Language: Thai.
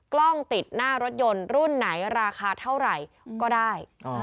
กล้องติดหน้ารถยนต์รุ่นไหนราคาเท่าไหร่ก็ได้